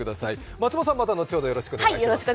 松本さん、また後ほどよろしくお願いします。